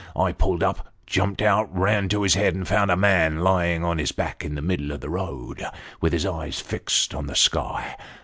I pulled up, jumped out, ran to his head, and found a man lying on his back in the middle of the road, with his eyes fixed on the sky.